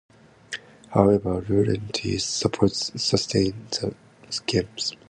However, Laurentius' supporters sustained the schism.